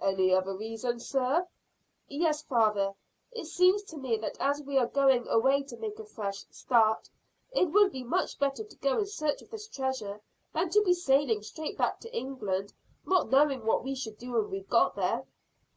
"Any other reason, sir?" "Yes, father. It seems to me that as we are going away to make a fresh start, it would be much better to go in search of this treasure than to be sailing straight back to England, not knowing what we should do when we got there."